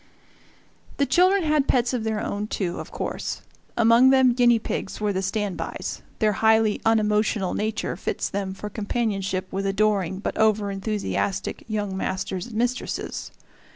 The children had pets of their own, too, of course. Among them guinea pigs were the stand bys their highly unemotional nature fits them for companionship with adoring but over enthusiastic young masters and mistresses.